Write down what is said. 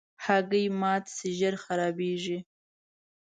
هګۍ مات شي، ژر خرابیږي.